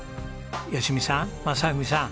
吉美さん正文さん